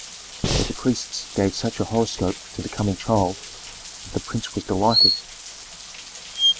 But the priests gave such a horoscope to the coming child that the prince was delighted.